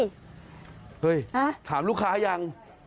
เฮ้ยถามลูกค้ายัง